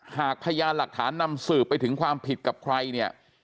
หากพยานหลักฐานนำสืบไปถึงความผิดกับใครเนี่ย